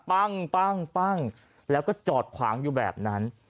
ปั้งปั้งปั้งแล้วก็จอดขวางอยู่แบบนั้น